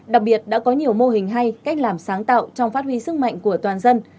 đặc biệt đã có nhiều mô hình hay cách làm sáng tạo trong phát huy sức mạnh của toàn dân